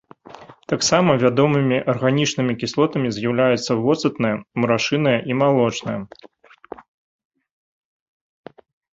Таксама вядомымі арганічнымі кіслотамі з'яўляюцца воцатная, мурашыная і малочная.